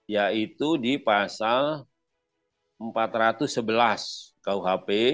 yaitu di pasal empat ratus sebelas kuhp